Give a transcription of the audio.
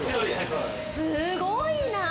すごいな。